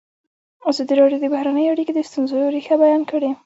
ازادي راډیو د بهرنۍ اړیکې د ستونزو رېښه بیان کړې.